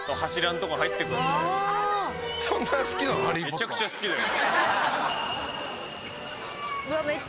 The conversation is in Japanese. めちゃくちゃ好きだよ。